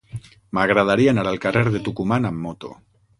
M'agradaria anar al carrer de Tucumán amb moto.